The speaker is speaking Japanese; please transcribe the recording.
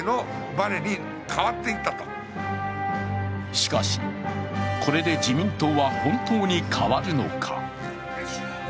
しかし、これで自民党は本当に変わるのか。